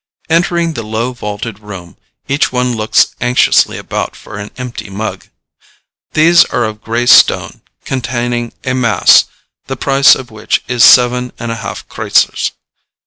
Entering the low vaulted room, each one looks anxiously about for an empty mug. These are of gray stone, containing a mass, the price of which is seven and a half kreutzers.